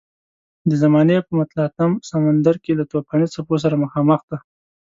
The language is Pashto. د زمانې په متلاطم سمندر کې له توپاني څپو سره مخامخ ده.